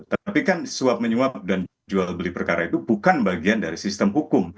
tapi kan suap menyuap dan jual beli perkara itu bukan bagian dari sistem hukum